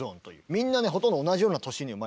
みんなねほとんど同じような年に生まれてんの。